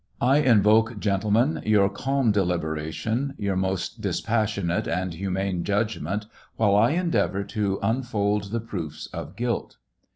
^ I invoke, gentlemen, your calm deliberation, your most dispassionate and ^ humane judgment, while I endeavor to unfold the proofs of guilt.